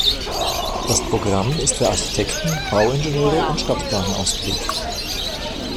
Das Programm ist für Architekten, Bauingenieure und Stadtplaner ausgelegt.